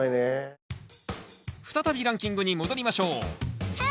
再びランキングに戻りましょう。